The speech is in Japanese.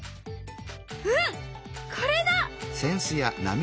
うんこれだ！